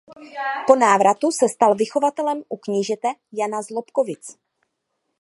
Po návratu se stal vychovatelem u knížete Jana z Lobkovic.